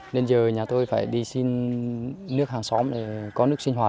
nên giờ nhà tôi phải đi xin nước hàng xóm để có nước sinh hoạt